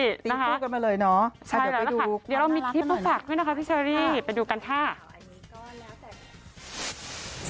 ติ้งตรงกันมาเลยเนาะใช่แล้วนะคะเดี๋ยวเรามีคลิปต้องฝากด้วยนะคะพี่เชอรี่ไปดูกันค่ะ